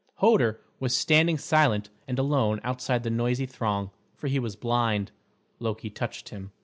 Hoder was standing silent and alone outside the noisy throng, for he was blind. Loki touched him.